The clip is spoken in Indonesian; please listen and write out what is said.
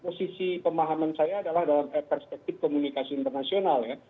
posisi pemahaman saya adalah dalam perspektif komunikasi internasional ya